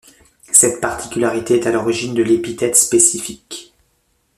Cette particularité est à l'origine de l'épithète spécifique.